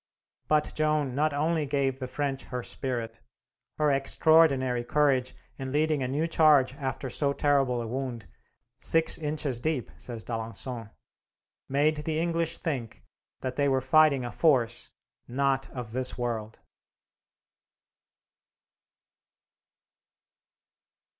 But Joan not only gave the French her spirit: her extraordinary courage in leading a new charge after so terrible a wound, "six inches deep," says D'Alencon, made the English think that they were fighting a force not of this world.